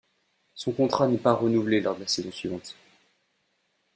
Son contrat n'est pas renouvelé lors de la saison suivante.